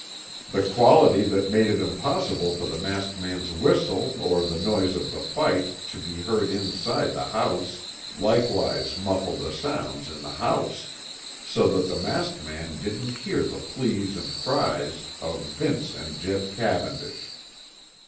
The quality that made it impossible for the masked man's whistle or the noise of the fight to be heard inside the house likewise muffled the sounds in the house, so that the masked man didn't hear the pleas and cries of Vince and Jeb Cavendish.